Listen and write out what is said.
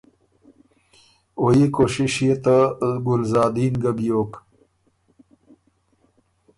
او يي کوشِش يې ته ګلزادین ګۀ بیوک۔